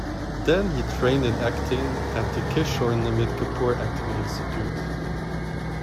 Then he trained in acting at the "Kishore Namit Kapoor Acting Institute".